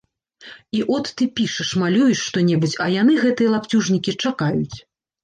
І от ты пішаш, малюеш што-небудзь, а яны, гэтыя лапцюжнікі, чакаюць.